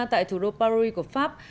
tại thủ đô paris của pháp